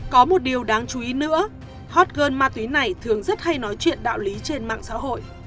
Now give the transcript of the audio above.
có một điều đáng chú ý nữa hot girl ma túy này thường rất hay nói chuyện đạo lý trên mạng xã hội